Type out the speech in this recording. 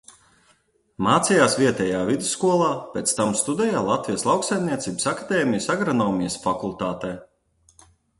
Mācījās vietējā vidusskolā, pēc tam studēja Latvijas Lauksaimniecības akadēmijas Agronomijas fakultātē.